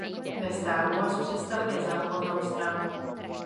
Ve Star Wars představuje zápornou stranu.